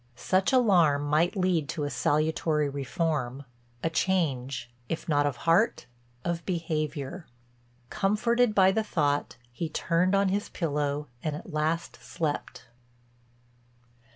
Such alarm might lead to a salutory reform, a change, if not of heart, of behavior. Comforted by the thought, he turned on his pillow and at last slept.